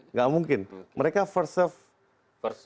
nggak mungkin mereka first serve